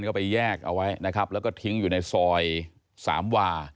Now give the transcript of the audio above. ก็ไปแยกเอาไว้แล้วก็ทิ้งอยู่ในซอย๓วา